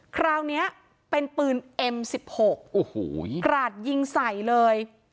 คราวนี้เป็นปืนเอ็มสิบหกโอ้โหกราดยิงใส่เลย